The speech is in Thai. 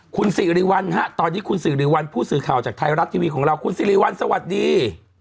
คุณสิริวัลฮะตอนนี้คุณสิริวัลผู้สื่อข่าวจากไทยรัฐทีวีของเราคุณสิริวัลสวัสดี